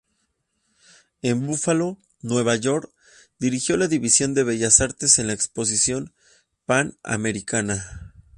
En Búfalo, Nueva York, dirigió la División de Bellas Artes de la Exposición Pan-Americana.